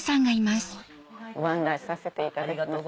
ご案内させていただきます。